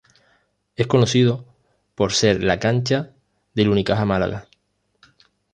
Es conocido por ser la cancha del Unicaja Málaga.